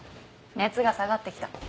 熱が下がってきた。